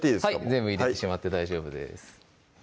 全部入れてしまって大丈夫です